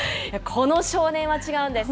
この少年は違うんです。